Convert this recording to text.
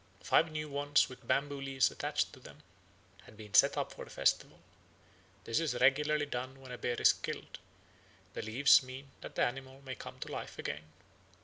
Five new wands with bamboo leaves attached to them had been set up for the festival. This is regularly done when a bear is killed; the leaves mean that the animal may come to life again.